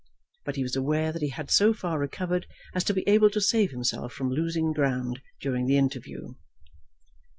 But he was aware that he had so far recovered as to be able to save himself from losing ground during the interview.